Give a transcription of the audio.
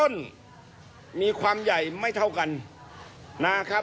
สวยมาก